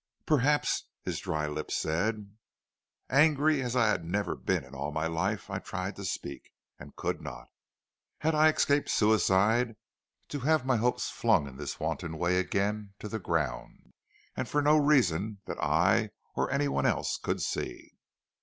"'Perhaps,' his dry lips said. "Angry as I had never been in all my life, I tried to speak, and could not. Had I escaped suicide to have my hopes flung in this wanton way again to the ground, and for no reason that I or any one else could see?'